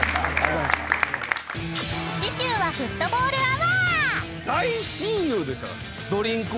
［次週はフットボールアワー］